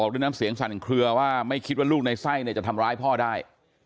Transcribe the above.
หลังเคลือว่าไม่คิดว่าลูกในไส้จะทำร้ายพ่อได้